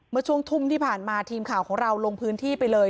เมื่อช่วงทุ่มที่ผ่านมาทีมข่าวของเราลงพื้นที่ไปเลย